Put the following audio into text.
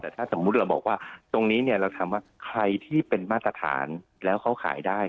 แต่ถ้าสมมุติเราบอกว่าตรงนี้เนี่ยเราถามว่าใครที่เป็นมาตรฐานแล้วเขาขายได้